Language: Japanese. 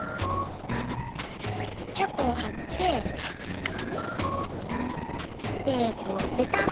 チョコをはってテープをペタッ。